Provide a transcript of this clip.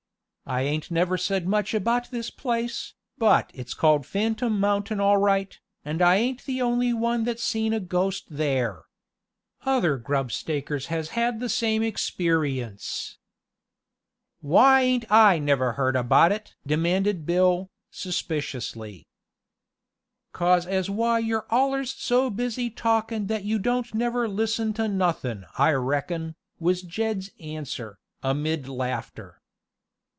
I ain't never said much about this place, but it's called Phantom Mountain all right, and I ain't the only one that's seen a ghost there. Other grub stakers has had the same experience." "Why ain't I never heard about it?" demanded Bill, suspiciously. "'Cause as why you're allers so busy talkin' that you don't never listen to nothin' I reckon," was Jed's answer, amid laughter.